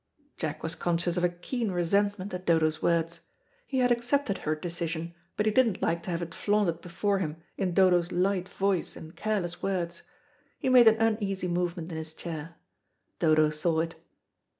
Jack was conscious of a keen resentment at Dodo's words. He had accepted her decision, but he didn't like to have it flaunted before him in Dodo's light voice and careless words. He made an uneasy movement in his chair. Dodo saw it.